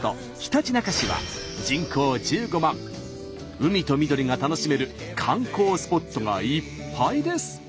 海と緑が楽しめる観光スポットがいっぱいです。